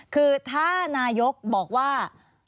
คือถ้านายกบอกว่า